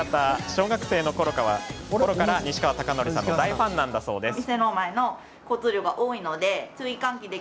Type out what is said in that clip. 小学生のころから西川貴教さんの大ファンなんだそうです。